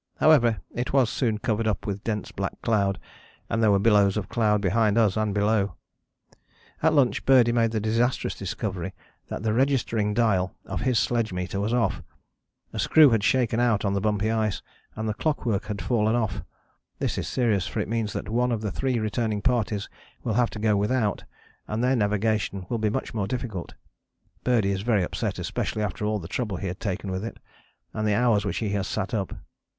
However it was soon covered up with dense black cloud, and there were billows of cloud behind us and below. "At lunch Birdie made the disastrous discovery that the registering dial of his sledge meter was off. A screw had shaken out on the bumpy ice, and the clockwork had fallen off. This is serious for it means that one of the three returning parties will have to go without, and their navigation will be much more difficult. Birdie is very upset, especially after all the trouble he has taken with it, and the hours which he has sat up.